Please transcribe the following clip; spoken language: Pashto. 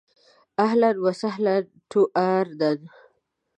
اهلاً و سهلاً ټو اردن.